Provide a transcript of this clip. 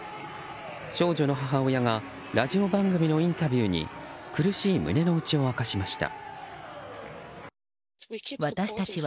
少女の母親がラジオ番組のインタビューに苦しい胸の内を明かしました。